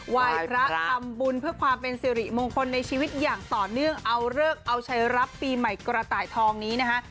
ไหว้พระทำบุญเพื่อความเป็นสิริมงคลในชีวิตอย่างต่อเนื่องเอาเลิกเอาใช้รับปีใหม่กระต่ายทองนี้นะคะ